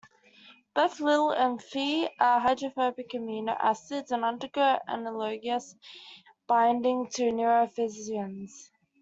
Both Ile and Phe are hydrophobic amino acids and undergo analogous binding to neurophysins.